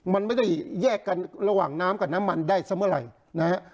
มันไม่ได้แยกกันระหว่างน้ำกับน้ำมันได้ซะเมื่อไหร่นะฮะ